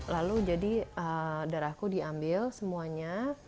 lalu jadi darahku diambil semuanya